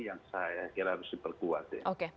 yang saya kira harus diperkuatkan